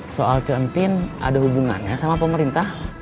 soal cuantin ada hubungannya sama pemerintah